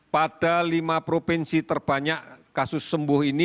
pada lima provinsi terbanyak kasus sembuh ini